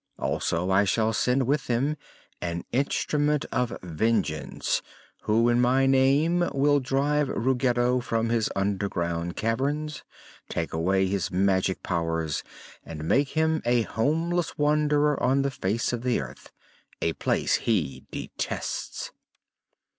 Also I shall send with them an Instrument of Vengeance, who in my name will drive Ruggedo from his underground caverns, take away his magic powers and make him a homeless wanderer on the face of the earth a place he detests."